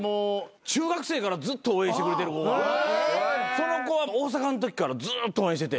その子は大阪のときからずっと応援してて。